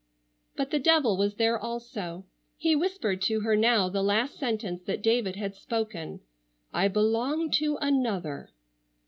But the devil was there also. He whispered to her now the last sentence that David had spoken: "I belong to another!"